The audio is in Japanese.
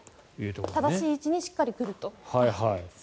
正しい位置にしっかり来ると。